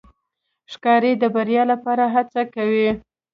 ښکاري د بریا لپاره هڅه کوي.